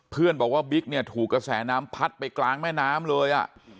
เพื่อนบอกว่าบิ๊กเนี่ยถูกกระแสน้ำพัดไปกลางแม่น้ำเลย